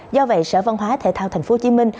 do vậy sở văn hóa thể thao tp hcm